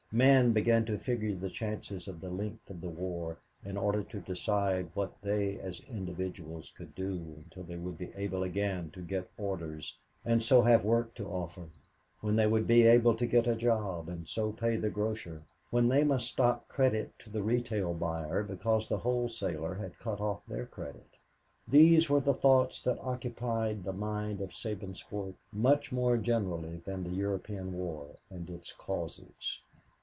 Men began to figure the chances of the length of the war in order to decide what they as individuals could do until they would be able again to get orders and so have work to offer; when they would be able to get a job and so pay the grocer; when they must stop credit to the retail buyer because the wholesaler had cut off their credit these were the thoughts that occupied the mind of Sabinsport much more generally than the European war and its causes.